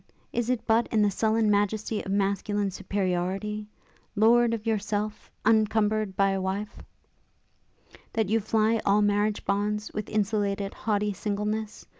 Is it but in the sullen majesty of masculine superiority, 'Lord of yourself, uncumber'd by a wife,' that you fly all marriage bonds, with insulated, haughty singleness?